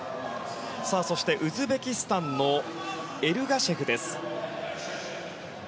そして、ウズベキスタンのエルガシェフです。